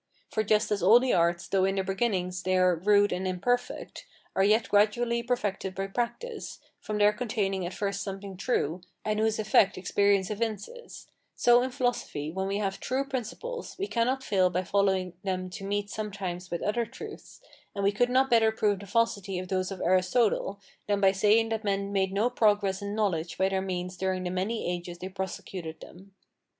For just as all the arts, though in their beginnings they are rude and imperfect, are yet gradually perfected by practice, from their containing at first something true, and whose effect experience evinces; so in philosophy, when we have true principles, we cannot fail by following them to meet sometimes with other truths; and we could not better prove the falsity of those of Aristotle, than by saying that men made no progress in knowledge by their means during the many ages they prosecuted them.